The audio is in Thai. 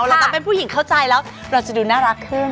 แต่ตอนเป็นผู้หญิงเข้าใจแล้วเราจะดูน่ารักขึ้น